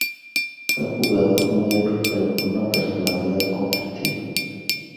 Fue un jugador muy hábil, pero con una personalidad conflictiva.